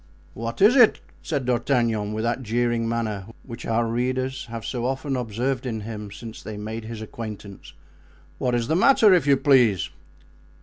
"What is it?" said D'Artagnan, with that jeering manner which our readers have so often observed in him since they made his acquaintance. "What is the matter, if you please?"